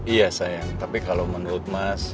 iya sayang tapi kalau menurut mas